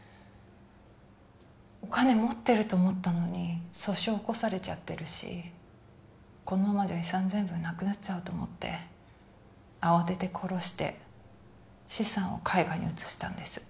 お金持ってると思ったのに訴訟起こされちゃってるしこのままじゃ遺産全部なくなっちゃうと思って慌てて殺して資産を海外に移したんです